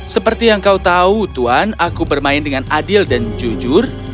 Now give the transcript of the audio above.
seperti yang kau tahu tuan aku bermain dengan adil dan jujur